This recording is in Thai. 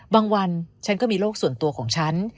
วันฉันก็มีโรคส่วนตัวของฉัน